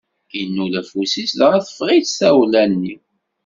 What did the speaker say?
Innul afus-is, dɣa teffeɣ-itt tawla-nni.